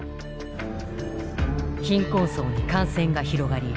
貧困層に感染が広がり